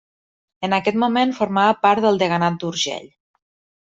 En aquest moment formava part del deganat d'Urgell.